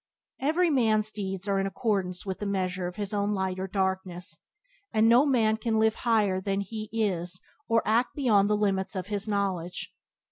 Every man's deeds are in accordance with the measure of his own light or darkness, and no man can live higher than he is or act beyond the limits of his knowledge.